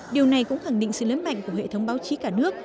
điều này cũng khẳng định sự lớn mạnh của hệ thống báo chí cả nước